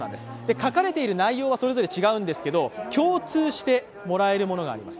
書かれている内容はそれぞれ違うんですけれども共通してもらえるものがあります。